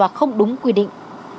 và không đúng quy định